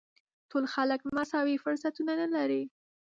ټول خلک مساوي فرصتونه نه لري.